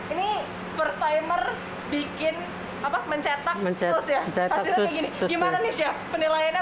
ini first timer mencetak sus ya